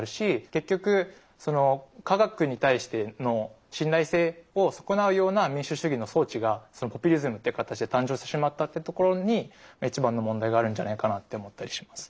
結局科学に対しての信頼性を損なうような民主主義の装置がポピュリズムっていう形で誕生してしまったってところにいちばんの問題があるんじゃないかなって思ったりします。